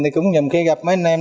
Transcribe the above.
thì cũng nhầm khi gặp mấy anh em